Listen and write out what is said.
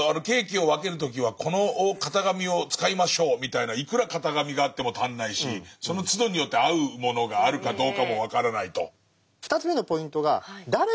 「ケーキを分ける時はこの型紙を使いましょう」みたいないくら型紙があっても足んないしそのつどによって合うものがあるかどうかも分からないと。